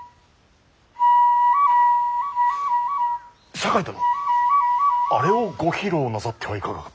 酒井殿あれをご披露なさってはいかがか。